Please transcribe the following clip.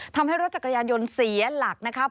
ทำให้รถจักรยานยนต์เสียหลักนะครับ